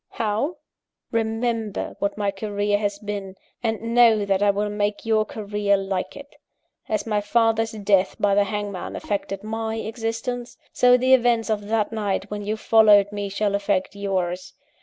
"How? Remember what my career has been; and know that I will make your career like it. As my father's death by the hangman affected my existence, so the events of that night when you followed me shall affect _yours.